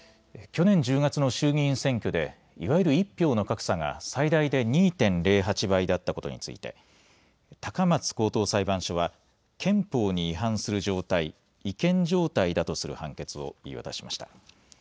去年１０月の衆議院選挙でいわゆる１票の格差が最大で２．０８倍だったことについて高松高等裁判所は憲法に違反する状態、違憲状態だとする判決を言い渡しました。